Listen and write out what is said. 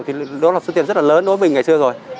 thì lúc đó là suy nghĩ rất là lớn đối với mình ngày xưa rồi